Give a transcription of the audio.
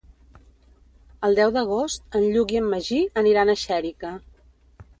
El deu d'agost en Lluc i en Magí aniran a Xèrica.